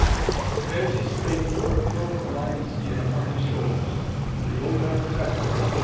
] And as he spake he put a cloak of lion's skin upon his shoulders, and the old man sat thereon.